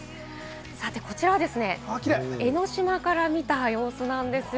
こちらは江の島から見た様子です。